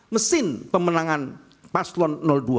mesin pemenangan paslon dua